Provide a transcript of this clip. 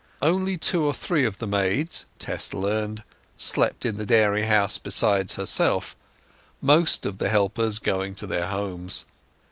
Only two or three of the maids, Tess learnt, slept in the dairy house besides herself, most of the helpers going to their homes.